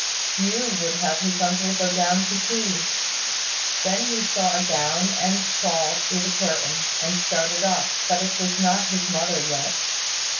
Hugh would have his uncle go down to tea. Then he saw a gown and shawl through the curtain, and started up; but it was not his mother yet.